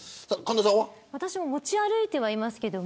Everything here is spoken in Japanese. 持ち歩いてはいますけど。